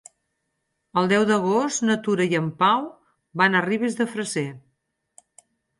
El deu d'agost na Tura i en Pau van a Ribes de Freser.